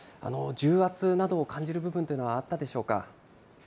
重圧などを感じる部分というのはあったでしょうか。